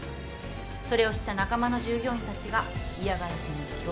それを知った仲間の従業員たちが嫌がらせに協力した。